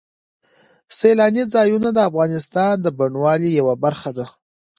سیلاني ځایونه د افغانستان د بڼوالۍ یوه برخه ده.